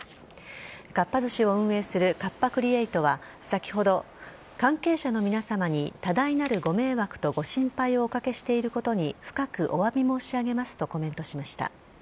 かっぱ寿司を運営するカッパ・クリエイトは先ほど関係者の皆さまに多大なるご迷惑とご心配をおかけしていることに深くお詫び申し上げますとコメントしました。